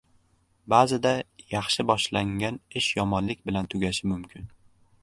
• Ba’zida yaxshi boshlangan ish yomonlik bilan tugashi mumkin.